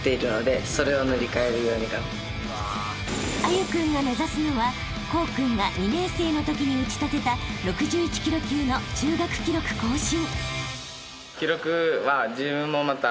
［歩君が目指すのは功君が２年生のときに打ち立てた６１ｋｇ級の中学記録更新］